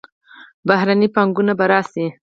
بهرنۍ پانګونه به راشي.